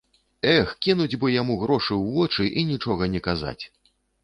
Эх, кінуць бы яму грошы ў вочы і нічога не казаць.